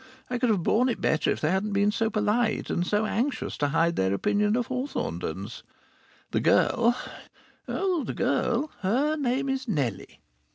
I could have borne it better if they hadn't been so polite, and so anxious to hide their opinion of Hawthornden's. The girl oh! the girl.... Her name is Nellie.